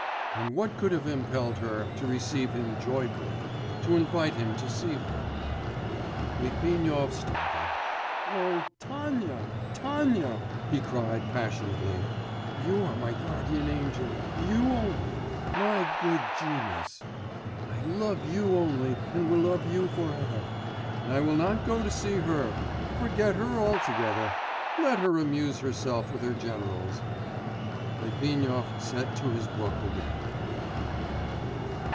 And what could have impelled her to receive him joyfully, to invite him to see her? Litvinov started. 'O Tanya, Tanya!' he cried passionately, 'you are my guardian angel, you only, my good genius. I love you only and will love you for ever. And I will not go to see her. Forget her altogether! Let her amuse herself with her generals.' Litvinov set to his book again.